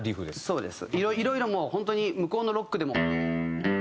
そうです。